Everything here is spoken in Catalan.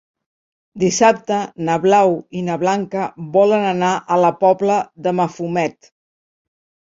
Dissabte na Blau i na Blanca volen anar a la Pobla de Mafumet.